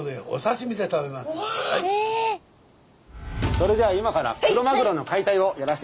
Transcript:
それでは今からクロマグロの解体をやらせていただきます。